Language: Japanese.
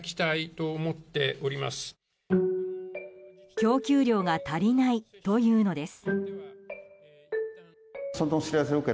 供給量が足りないというのです。